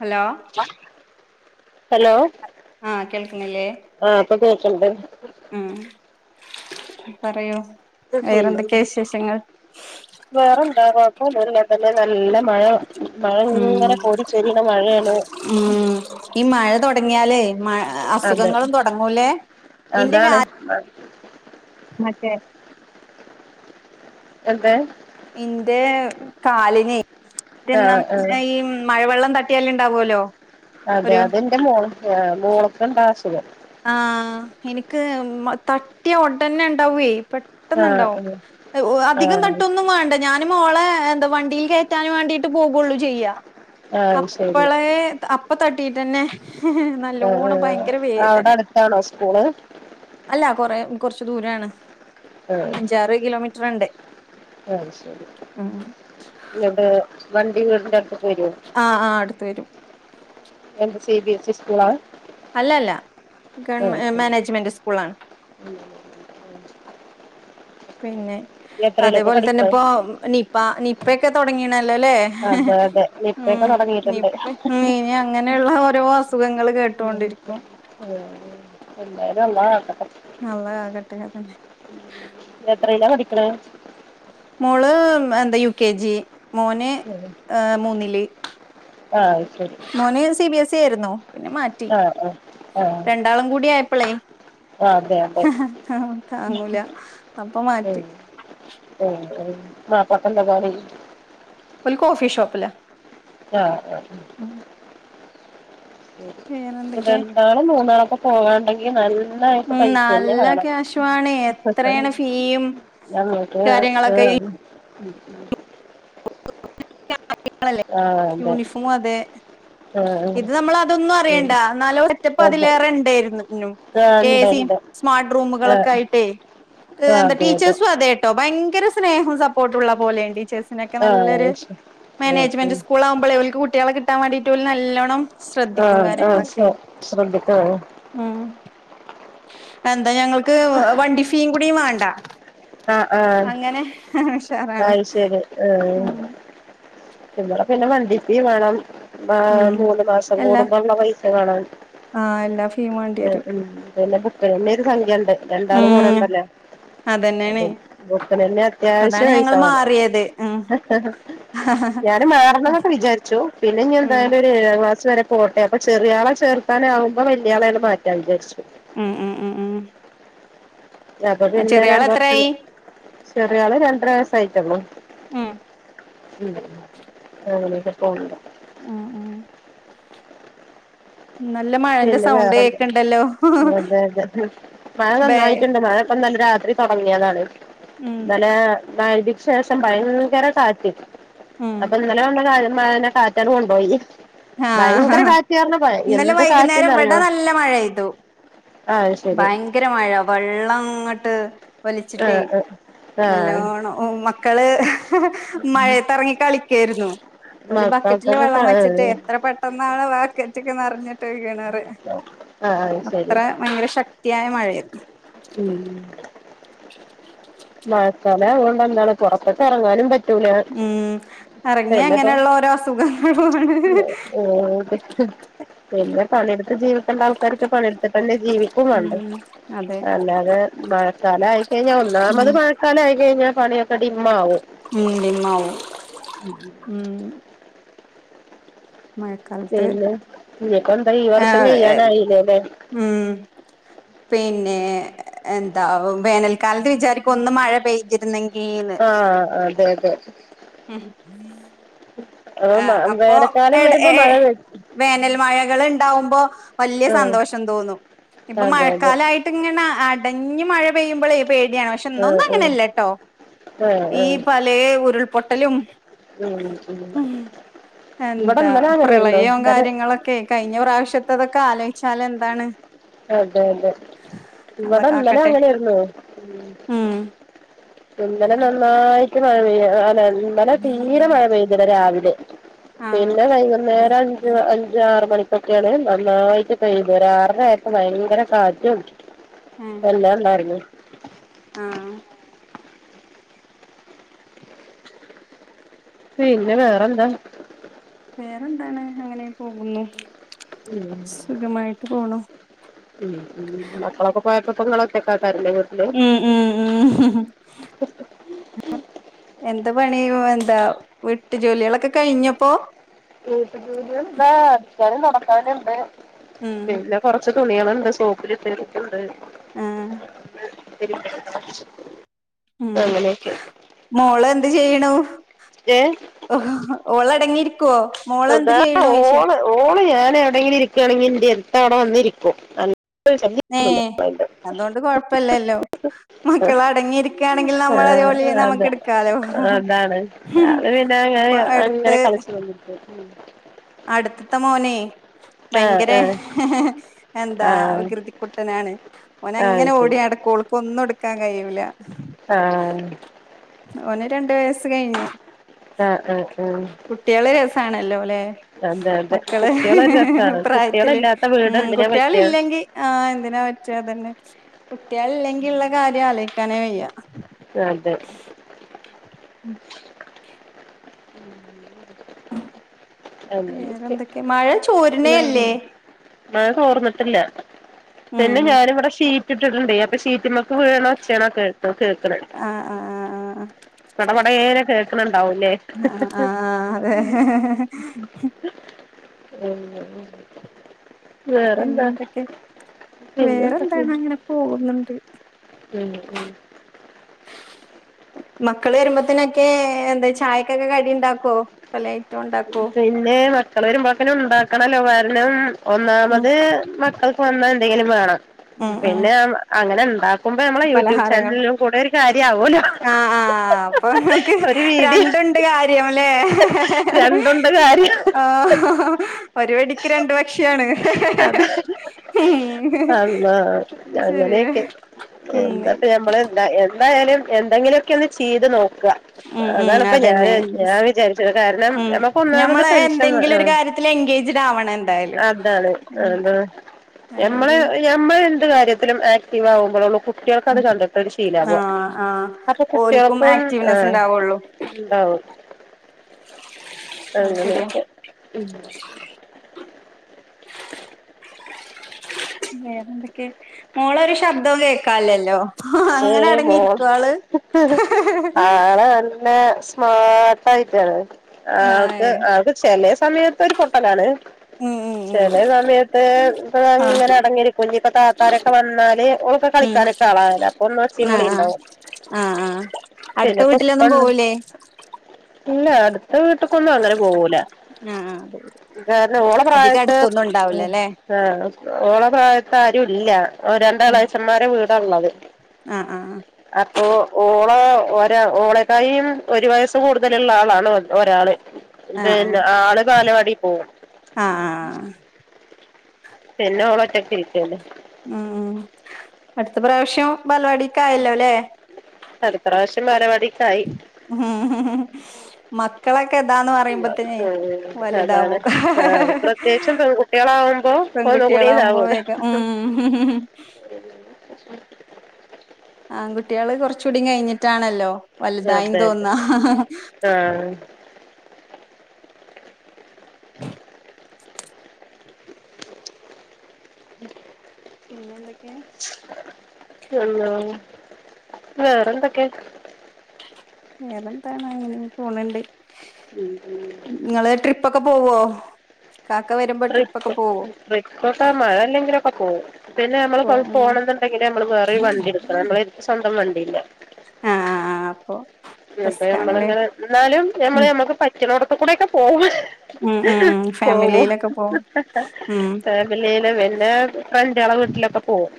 Hello hello ആഹ് കേൾക്കുന്നില്ലേ [unintelligible] ഉം പറയു വേറെ എന്ത്കെയ വിശേഷങ്ങൾ ഇന്നല്ലെ നല്ല മഴ മഴ ഉം ഇങ്ങനെ കോടി ചൊരിയുന്ന മഴയാണ് ങ്ങിയലേ അതെ മഅസുഖങ്ങളും തുടങ്ങൂലേ ഇന്റെ അതാണ് [unintelligible] മറ്റേ എന്ത്? ഇന്റെ കാലിന് പിന്നെം ആഹ് ആഹ് ഈ മഴവെള്ളം ത [unintelligible] ഉണ്ടാവുവല്ലോ അതെ അതെന്റെമോള മോള ഇപ്പോ എന്താ അസുഖം ആഹ് എനിക്ക് തട്ടിയ ഉടനെ ഉണ്ടാവേ ആഹ് പെട്ടെന്ന്ണ്ടാവും ആഹ് അ് അധികം ആഹ് തട്ടൊന്നും മാണ്ട ഞാന് മോളെ എന്താ വണ്ടില് കേറ്റാന് വേണ്ടിട്ട് പോകൊള്ളൂ ചെയ്യാ ആഹ് ശരി അപ്പളേ ത അപ്പ് ഇപ്പൊ തട്ടിട്ടെന്നെ നല്ലോണം ഭയങ്കര വേദന ത്താണോ സ്കൂള്? ആഹ് കൊറെ കൊർച്ച് ദൂരാണ്. അഞ്ചാറ് കിലോമീ റ്റ്റ്ണ്ട് അഅ് ശെരി ന്നട്ട് വണ്ടി വിടിന്റെ ട്ത്ത് ആഹ് ആഹ് അട്ത്ത്‌ വെരും എന്താ സി ബി എസ് ഇ സ്കൂളാ? അല്ല അല്ല ഗവൺ ആഹ് മാനേജ്മെന്റ് സ്കൂൾ ആണ് പിന്നെ എത്രയിലൊക്കെ അതേപോലെ തന്നെ പഠിക്ക്ണ് ഇപ്പൊ നിപ്പ അപ്പഴെക്കെ തൊടങ്ങിനെ ല്ലല്ലേ അതെ അതെ നിപ്പയൊക്കെ ഉം തൊടങ്ങിയിട്ടുണ്ട് നിപ്പ മ് നി അങ്ങനൊള്ള ഹലോ അസ്സ സുഖങ്ങള് കേട്ടോണ്ടിരിക്കും. എല്ലാരും നല്ല കാകട്ടെ നള്ളതാകട്ടെ അതന്നെ എത്രയിലാ പഠിക്ക്ണേ മോള് ഉം എന്താ യുകെജി മോന് ഏ മൂന്നില് ആ അത്ശെരി ച്ചേര്ന്നു പിന്നെ മാറ്റി ആഹ് രണ്ടാളും കൂടി ആയപ്പളെ ആഹ് അതെ അതെ താങ്ങൂല അപ്പൊ മാറ്റി ഉം [unintelligible] ഓൽ കോഫി ഷോപ്പ്ലാ ആ അ വേറെന്തൊക്കെ രണ്ടാളും മൂന്നാളൊക്കെ പോകൻണ്ടെങ്കി [unintelligible] ഉം നല്ല ക്യാഷുവാണെ എത്രയാണ് ഫീയും ഞങ്ങക്ക് കാര്യങ്ങളൊക്കെ ഇ ആഹ് ആഹ് [unintelligible] അതെ യൂണിഫോമു അതെ ആഹ് ഇത് നമ്മൾ അതൊന്നും അറിയണ്ട ആഹ് എന്നാലോ സെറ്റപ്പ് അതെ അതിലേറെ ഇണ്ടായധരുന്നുനും ആഹ് ഇണ്ട് ഏസിം ഇണ്ട് സ്മാർട്ട് ആഹ് റൂമുകളൊക്കെ ആയിട്ടേ എന്താ അതെ അതെ ടീച്ചേഴ്സും അതെട്ടോ ഭയ് ങ്കര സ്നേഹോം സപ്പോർട്ടുള്ള പോലെയ ടീച്ചേസ് നൊക്കെ നല്ലൊരു ആഹ് ശരി മാനേജ്മെന്റ് സ്കൂൾ ആകുമ്പളെ ഓൽക്ക് കുട്ടി കുട്ട്യാളെ കിട്ടാൻ വേണ്ടിട്ട് ഓല് നല്ലോണം ആ ശ്രദ്ധിക്കും ആ കാര്യങ്ങളൊക്കെ ശ ശ്രദ്ധിക്കും ഉം എന്താ ഞങ്ങൾക്ക് വണ്ടി ഫീയും കൂടി വാണ്ട ആ ആ ഉഷാറാണ് അയി ശെരി ആ ഉം ഇവടെ പിന്നെ വണ്ടി ഫീ മാണം ആ ഉം മൂന്ന് മാസം എല്ലാ കൂടുമ്പോള്ള പൈസ മാണം ആ എല്ലാ ഫീയും വേണ്ടി വരും പിന്നെ ബുക്കിന് ന്നെ ഒരു സംഖ്യ രണ്ടാള് ഉം പോണോണ്ടല്ലോ അത് അതന്നെയാണ് ബുക്ക്നന്നെ അത്യാവിശ്യ അതാണ് പൈസ ഞങ്ങൾ വേണം മാറിയത് ഉം ഞാനും മാറണന്നൊക്കെ വിചാരിച്ചു പിന്നെഞ്ഞ് ഉം എന്തായാലും ഒരു ഏഴാം ക്ലാസ് വരെ പോട്ടെ അപ്പ ചെറിയ ആളെ ചേർത്താനാവുമ്പം വല്ല്യെ ആളേണ്ട്മാറ്റാന്ന് വിചാര്ച്ചു ഉം ഉം ഉം ഉം അപ്പ പിന്നെ ചെറിയ ആൾ രണ്ട് വർഷം എത്രയായി ചെറിയ ആള് രണ്ടര വയസ്സായിട്ടള്ളൂ ഉം ഉ [unintelligible] ഉം ഉം നല്ല മഴന്റെ പിന്നെ സൗണ്ട് വേറണ്ട് കേൾക്കണ്ടല്ലോ അതെ അതെ മഴ ബേ നന്നായിട്ടുണ്ട് മഴ ഇപ്പ നല്ല രി തുടങ്ങിയതാണ് ഉം നല്ല വഴുതിക്ക് ശേഷം പയങ്കര കാറ്റ് ഉം അപ്പൊ ഇന്നലെ കണ്ട കാര്യം [unintelligible] കൊണ്ട്പോയി ആ ഭയങ്കര കാറ്റ് കാരണ ഇന്നലെ എന്തൊ വൈകുന്നേരം ഇവിടെ നല്ല മഴയെയ്തു ആഹ് ശരി ഭയങ്കര മഴ വെള്ളം ഇങ്ങോട്ട് വലിച്ചിട്ടേ ആഹ് ആഹ് ആഹ് നല്ലവോണം ഓ കള് മഴയത്തിറങ്ങി കളി കേരുന്നു മക്കാത്തക്കെ ക [unintelligible] നന്നാണ വാക്കറ്റക്ക്ന്ന് നറഞ്ഞിട്ട് ആഹ് ശരി അത്ര ഭയങ്കര ശക്തിയായ മഴയരുന്നു ഉം അല്ലണ്ട എന്താണ് പുറത്തൊക്കെ ഇറങ്ങാനും പറ്റും ഉം ഇറങ്ങി അങ്ങനെയുള്ള ഓരോ അസുഖങ്ങളാണ് പിന്നെ പലയിടുത്ത ജീവി ആൾക്കാരൊക്കെ പണിയെടുത്തിട്ട് അന്നെ ജീവിക്കും ഇണ്ട് ഉം അതെ അല്ലാതെ മഴക്കാലം ആയി കഴിഞ്ഞാൽ ഒന്നാ അമ്മത് മഴക്കാല ആയി കഴിഞ്ഞാൽ പണിയ [unintelligible] മാവും ഉം മഴക്കാലത്ത് പിന്നെ ഇനിയിപ്പോ എന്താ ഈ ആ വർഷം കഴിയാനായില്ലേല്ലേ ഉ പിന്നെ എന്താ വേനൽക്കാലത്ത് വിചാരിക്കും ഒന്ന് മഴ പെയ്തിരുന്നെങ്കി ആഹ ആ അതെ അതെ ഉ ആ അപ്പൊ അപ്പോ വേനൽക്കാലം എടെ വരുമ്പോ ഏ മഴ വെ വേനൽ മഴകൾ ഉണ്ടാവുമ്പോ വലിയ ആഹ് സന്തോഷം തോന്നും ഇപ്പൊ അതെ അതെ മഴക്കാലായിട്ട് ഇങ്ങനെ കനി മഴ പെയ്യുമ്പോൾ പേടിയാണ് പക്ഷെ ഇന്നും ആഹ് ആഹ് അങ്ങനല്ല കേട്ടോ ആഹ് ഈ ആഹ് പല ഉരുൾ പൊട്ടലും ഉം ഉം ഉ ഇവിടെ എന്താ ഇന്നലെ അങ്ങനെയായിരുന്നു പ്രളയവും ഇന്നലെ കാര്യങ്ങളൊക്കെ കഴിഞ്ഞ പ്രാവശ്യത്തതൊക്കെ ആലോചി ശാല എന്താണ് അതെ അതെ അള്ള ഇവിടെ ഇന്നലെ കാക്കട്ടെ അങ്ങനൊയിരുന്നു ഉം ഇന്നലെ നന്നായിട്ട് മഴമ്യ ആത ഇന്നലെ തീരെര മഴ പെയ്തിില്ല രാവിലെ ഉ ആഹ് പിന്നെ വൈകുന്നേരം അഞ്ച് അഞ്ച ആറ മണി ക്കെയാണ് നന്നായിട്ട് പെയ്യുന്നത് ഒരാ ഭയങ്കര സാദ്യം എല്ല എല്ലർമ ആഹ പിന്നെ വേറെന്താ വേറെന്താണ് അങ്ങനെ പോകുന്നു സുഖമായിട്ട് പോണ ഉ മക്കളൊക്കെ പോയപ്പോ പൊങ്കളക്കാ ഉം ഉ ഉ എന്ത് പണിയ എന്താ വീട്ടു ജോലികളൊക്കെ കഴിഞ്ഞപ്പോ ഏട്ട ദ വ ഞാനും നടക്കാനുണ്ട് പിന്നെ കൊറച്ച് തുണികളുണ്ട് എ സൗകര്യത്തെക്കണ്ട് ആഹ ശരി ഉം മോള എന്ത് ചെയ്യണു ഏഹ് ഓളടങ്ങിയിരിക്ക ുവോ മോള എന്ത് ചെയ്യണോ ചോച്ച എവിടെെങ്കിലും ഇരിക്കുണെങ്ക എ എടു അവിടെ വന്ന ഇരിക്കും ഏ അതുകൊണ്ട് കൊഴപ്പല്ലല്ലോ മക്കൾ അടങ്ങിയിരിക്കയാണെങ്കിൽ നമ്മൾ അ വളി ആഹ് അതെ നമുക്ക് എടുക്കാലോ അതാണ് അത് ഇപ്പൊ അടുത്ത് ഉം അടുത്തത്തെ മോനെ ഭയങ്കര ആഹ് എന്താ ആഹ് പ്രകൃതിക്കുട്ടനാണ് ഓന ആഹ് അത് അങ്ങനെ ഓടിിയ അടക്കോൾക്ക് ഒന്നും എടുക്ക കാ കഴൂല ആഹ ഒന് രണ്ടു വയസ്സ് കഴിഞ്ഞു ആഹ് ആഹ് ആഹ് കുട്ടികള് രസണല്ലോ അല്ലെ അതെ അതെ മക്കള് കുട്ടികളൊരു രസാണ് പ്രായത്തില് കുട്ടികളില്ലാത്ത ഉ വീട് എന്തിനാ കുട്ടികള പറ്റാ ഇല്ലെങ്കിൽ ആ എന്തിനാ പറ്റുകതന്നെ കുട്ട്യേളില്ലെങ്കിള്ള കാര്യആലോ കനെ വയ്യ അതെ ഉം അങ്ങനെയൊക്കെ വേറെന്തൊക്കെ മഴ ചോര്ണേ ഇല്ലേ മഴ തോർന്നിട്ടില്ല പിന്നെ ഉം ഞാനിവിടെ ശീ കെട്ടിടുണ്ട് അപ്പൊ ഷിറ്റിമേക്ക് വിയെന്ന ഉച്ചേകളോക്കെ ആ ആ ആ ആ പട പാടെന്ന് നോക്കെ കേക്കണം ഉണ്ടാവു അല്ലെ ആഹ് ആഹ് ആഹ് അതെ [unintelligible] പിന്നെന്തൊക്കെ പിന്നെന്താ വേറെന്താണ് അങ്ങനെ പോകുന്നുണ്ട് ഉം ഉം മക്കള് വരുമ്പോത്തനൊക്കെ എന്താ ചായക്കൊക്കെ കടി ഉണ്ടാക്കുവോ പല ഇണ്ടാക്കോ പിന്നെ ചെലരും പറ അത് ഉണ്ടാക്കണല്ലോ വേറെ എല്ലാം കണും ഉം ഒന്നാമത് മക്കൾക്ക് വന്നാ എന്തെങ്കിലും വേണം ഉം ഉം പിന്നെ അങ്ങനെ ഉണ്ടാക്കുമ്പോ നമ്മളെ യൂട്യൂബ് പലഹാരങ്ങൾ ചാനലിലും കൂടെ ഒരു കാര്യം ആവൂലോ ആഹ് ആഹ് അപ്പൊ ഇങ്ങൾക്ക് ഒരു വീഡിയോ രണ്ടുണ്ട് കാര്യം ല്ലേ രണ്ടുണ്ട് കാര്യം ഒരു വെടിക്ക് രണ്ട് പക്ഷിയാണ് അത് അള്ളാ ശരിയാ അങ്ങനെയൊക്കെ ഉം എന്താപ്പ ഞമ്മള് എന്താ എ എന്തായാലും എന്തെങ്കിലൊക്കെ ഒന്ന് ചീയ്ത് നോക്ക് ക്കാ ഉം ഉം അതാണിപ്പ ഞാന് അതന്നെ ഞാൻ വിചാരിച്ചത് കാരണം ഉം ഞമ്മക്ക് ഒന്നാമത് ഞമ്മള് ടെൻഷൻ എന്തെങ്കിലും ഒരു ആഹ് കാര്യത്തിൽ എൻഗേജ്ഡ് ആവണം എന്തായാലും അതാണ് ഉം അതാ ഞമ്മള് അല്ലെങ്കി ഞമ്മളെ ന്ത്‌ കാര്യത്തിലും ആക്ടീവ് ആവുമ്പോളൊള്ളൂ കു കുട്ട്യേൾക് അത് ഉം കണ്ട്ട്ടൊരു ശീലാവ ആഹ് ആഹ് അപ്പൊ ഓൽക്കും കുട്ട്യേൾക്കും ആക്റ്റീവ്നെസ് ഉണ്ടാവുള്ളൂ ആ അ അത് ശരിയാ അങ്ങനെയൊക്കെ വേറെന്തൊക്കെ മോളൊരു ശബ്ധോം കേൾക്കാലല്ലോ മ് പോ ആള് നല്ല സ്മാട്ടായിറ്റാണ് ആൾക്ക് ആഹ് ആൾക്ക് ചെലേ സമയത്തൊരു പൊട്ടലാണ് ഉം ഉം ചെലേ സമയത്ത് ഉം ഇപ്പ ആഹ് അങ്ങനെ അടങ്ങിയിരിക്കും ഇഞ്ഞിപ്പ താത്താരൊക്കെ വന്നാല് ഓളൊക്കെ കളിക്കാനൊക്കെ ആളാ യല്ലോ ആ ആ ആ ആ അടുത്ത പിന്നെ ഇപ്പ വീട്ടിലൊന്നും ഇപ്പണ്ട് പോവൂലേ ഇല്ല അടുത്ത വീട്ട്ക്കൊന്നും അങ്ങനെ പോവൂല ആഹ് ആഹ് അതെ കാരണം ഓള അധികം പ്രായത്ത് അടുത്തൊന്നും മ് ഉണ്ടാവൂലല്ലേ [unintelligible] ഓള പ്രായ ത്താരൂല്ല ആ രണ്ടളെചെമ്മാരെ വീ പ്പള്ളത്‌ ആ ആ ഓ ഓളേ ഒരാ ഓളക്കായും ഒരു വയസ്സ് കൂടുതലുള്ള ആളാണ് ഒരാള് ആഹ് ഇതെന്നെ ആഹ് ആള് ബാലവാടി പോവും ആഹ് ആഹ് പിന്നെ ഓളൊറ്റക്കിരിക്കല്ലേ ഉം അടുത്ത പ്രാവശ്യം ബാലവാടിക്കായല്ലോ ലെ അടുത്തറാശ്യം ബാലവാടി മക്കളൊക്കെ ഇതാന്ന് പറയു മ് അതാണ് ആ പ്രത്യേകിച്ചും പെൺകുട്ട്യേളാവുമ്പൊ ഒന്നു കൂടി പെൺകുട്ടികളാവുമ്പോ താവോല്ലോ വേഗം ഉം അ ആൺകുട്ട്യേള് കൊറച്ചൂടിം കയ്ഞ്ഞ്ട്ടാണല്ലോ വലുതായി അതെ അതെ തോന്നാ ആഹ് പിന്നെ എന്തൊക്കെ ആ വേറെന്തൊക്കെ വേറെന്താണ് ഇങ്ങനെ പോണണ്ട് നിങ്ങള് ട്രിപ്പൊക്കെ പോവോ കാക്ക വരുമ്പോ ട്രിപ്പൊക്കെ ട്രിപ്പ് പോവോ ട്രിപ്പൊക്കെ മഴ ഇല്ലെങ്കിലൊക്കെ പോവും പിന്നെ പോ നമ്മള് ഉം പോണന്ന്ണ്ടെങ്കില് നമ്മള് വേറൊരു വണ്ടി എടുക്കണം നമ്മളെ സ്വന്തം വണ്ടിയില്ല ആഹ് ആഹ് അപ്പൊ [unintelligible] റിസ്ക് ആണല്ലേ നമ്മളിങ്ങനെ എന്നാലും ഞമ്മള് ഉം ഞമ്മക്ക് പറ്റണോടുത്ത് കൂടെയൊക്കെ പോവും ഉം ഉം ഉം പോവും ഫാമിലിയിലൊക്കെ പോവും ഉം ൻ്റാളെ വീട്ടിലൊക്കെ പോവും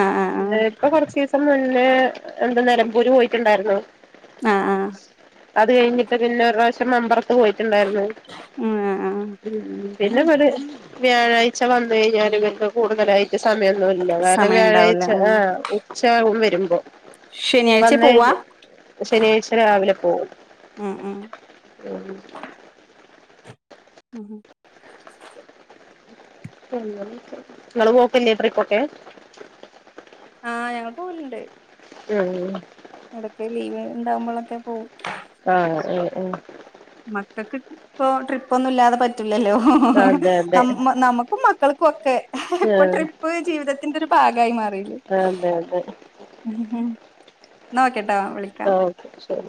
ആ ആ ആ പിന്നെ ഇപ്പൊ കൊറച്ചീസം മുൻ പി എന്താ നെലമ്പൂര് പോയിട്ടുണ്ടായിരുന്നു ആ ആ അത് കഴിഞ്ഞിട്ട് പിന്നെ ഒരു പ്രാവ്ശ്യം മമ്പറത്ത് പോയി ണ്ടായിരുന്നു ഉം ആ ആ ഉം ഉ പിന്നെ ഒരു വ്യാഴാഴ് ക്ഷ വന്നെഴിഞ്ഞാല് ങ്ങക്ക് കൂടുതലായി ക് സമയം ന്ന് വെല്ല കാര്ണം സമയം ഉണ്ടാവൂല വ്യാഴാഴ്ച ഉം ആ ഉച്ചാഉം വെ എമ്പൊ ശനിയാഴ്ച പോവാ? ശനിയാഴ്ച രാവിലെ പോഉം ഉം ഉം ഉം ഉം ഉം [unintelligible] ങ്ങളും കോകെന്നെ ത്രയ് കോട്ടെ ആഹ് ഞാൻ പോഉണ്ട് ഉം എടക് ലീവ് ണ്ടാമ്പോളൊക്കെ പോവു ആഹ് ഉം ഉം മക്കൾക്ക് പ്പൊ ട്രിപ്പൊന്നു ല്ലാതെ പറ്റു ല്ലല്ലോ അതെ അതെ നമ് നമ്മുക്കും മക്കൾക്കും ഒക്കെ ഇപ്പൊ ആഹ് ട്രിപ്പ് ജീവിതത്തിന്റെ ഒരു ഭാഗമായി മാറില്ലേ അതെ അതെ നോ കേട്ടാ വിളിക്കാം ഓക്കെ ശരി